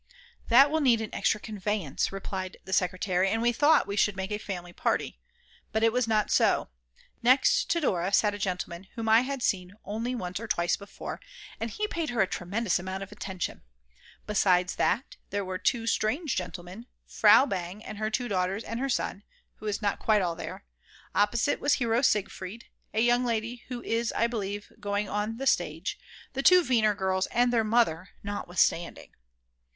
"That will need an extra conveyance," replied the secretary, and we thought we should make a family party. But it was not so: Next Dora sat a gentleman whom I had seen once or twice before, and he paid her a tremendous amount of attention. Besides that there were 2 strange gentlemen, Frau Bang and her 2 daughters and her son, who is not quite all there; opposite was Hero Siegfried, a young lady who is I believe going on the stage, the two Weiner girls and their Mother (notwithstanding!!!)